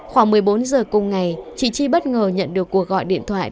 khoảng một mươi bốn giờ cùng ngày chị chi bất ngờ nhận được cuộc gọi điện thoại